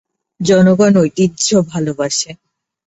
জনগণ ঐতিহ্য ভালোবাসে।